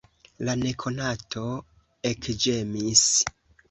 La nekonato ekĝemis.